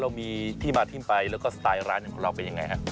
เรามีที่มาที่ไปแล้วก็สไตล์ร้านอย่างของเราเป็นยังไงฮะ